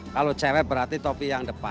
kalau cewek berarti topi yang depan